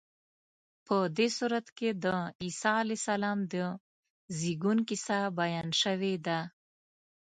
په دې سورت کې د عیسی علیه السلام د زېږون کیسه بیان شوې ده.